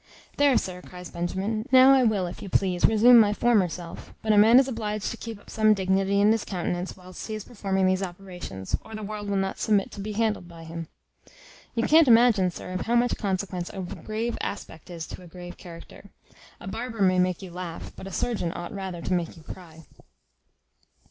"There, sir," cries Benjamin: "now I will, if you please, resume my former self; but a man is obliged to keep up some dignity in his countenance whilst he is performing these operations, or the world will not submit to be handled by him. You can't imagine, sir, of how much consequence a grave aspect is to a grave character. A barber may make you laugh, but a surgeon ought rather to make you cry."